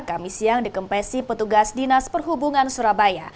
kami siang dikempesi petugas dinas perhubungan surabaya